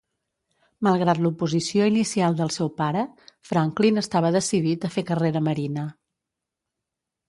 Malgrat l'oposició inicial del seu pare, Franklin estava decidit a fer carrera marina.